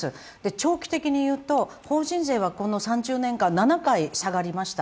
長期的に言うと法人税は３０年間、７回下がりました。